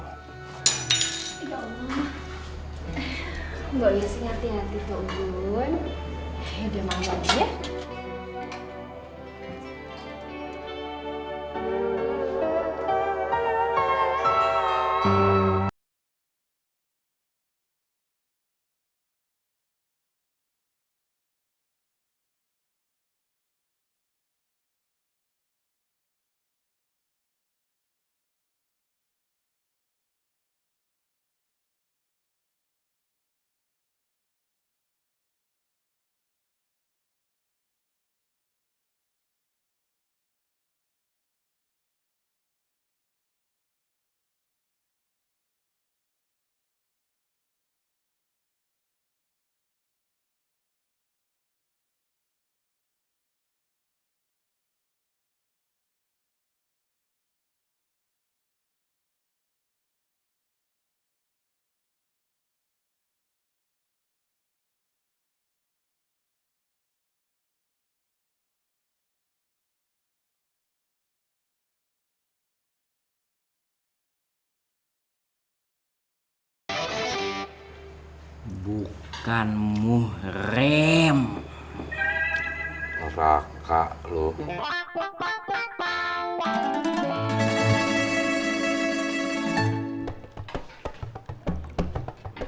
hi ho body suruh itu karbon reacted